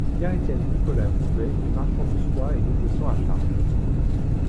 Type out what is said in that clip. Pierre Étienne Nicolas Bouvet est marchand de soie et négociant à Chartres.